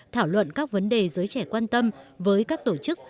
thảo luận các vấn đề giới trẻ quan tâm với các tổ chức